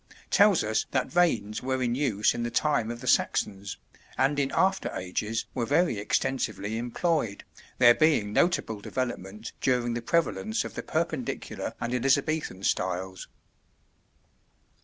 tells us that vanes were in use in the time of the Saxons, and in after ages were very extensively employed, there being notable development during the prevalence of the Perpendicular and Elizabethan styles.